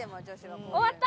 終わった！